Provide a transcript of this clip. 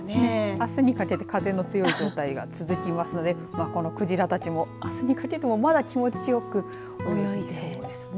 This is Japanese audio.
あすにかけて風の強い状態が続きますのでこの鯨たちもあすにかけてもまだ気持ちよく泳いでいきそうですね。